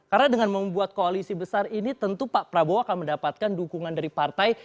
karena dengan membuat koalisi besar ini tentu pak prabowo akan mendapatkan dukungan dari partai